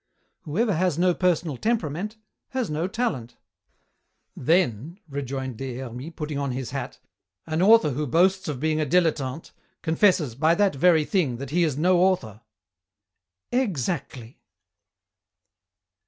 "Whoever has no personal temperament has no talent." "Then," rejoined Des Hermies, putting on his hat, "an author who boasts of being a dilettante, confesses by that very thing that he is no author?" "Exactly."